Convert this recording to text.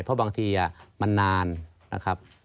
เพราะบางทีมันนานนะครับ